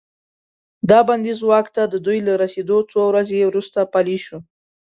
دا بندیز واک ته د دوی له رسیدو څو ورځې وروسته پلی شو.